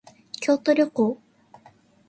京都旅行